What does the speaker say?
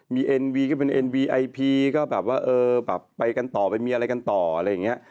มีเอ็นวีก็เป็นเอ็นวีไอพีก็แบบว่าเออแบบไปกันต่อไปมีอะไรกันต่ออะไรอย่างนี้